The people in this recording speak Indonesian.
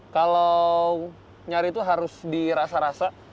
kalau nyari itu harus dirasa rasa